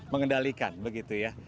mengendalikan begitu ya